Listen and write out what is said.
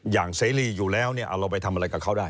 เสรีอยู่แล้วเนี่ยเอาเราไปทำอะไรกับเขาได้